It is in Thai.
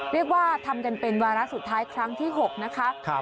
เรียกว่าทำกันเป็นวาระสุดท้ายครั้งที่๖นะคะ